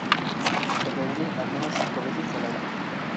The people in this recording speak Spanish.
Se reúne, al menos cinco veces al año.